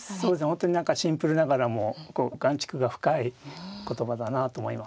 本当にシンプルながらも含蓄が深い言葉だなと思いますね。